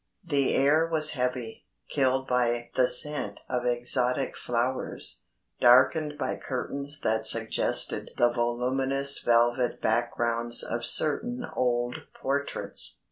The air was heavy, killed by the scent of exotic flowers, darkened by curtains that suggested the voluminous velvet backgrounds of certain old portraits.